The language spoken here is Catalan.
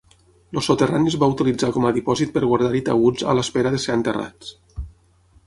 El soterrani es va utilitzar com a dipòsit per guardar-hi taüts a l'espera de ser enterrats.